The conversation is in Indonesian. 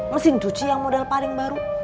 mesin cuci yang model paling baru